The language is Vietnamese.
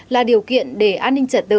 là điều kiện để an ninh trật tự